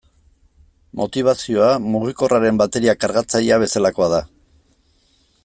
Motibazioa mugikorraren bateria kargatzailea bezalakoa da.